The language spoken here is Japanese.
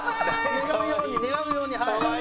願うように願うようにはい！